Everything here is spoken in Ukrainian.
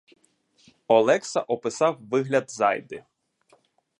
Олекса описав вигляд зайди.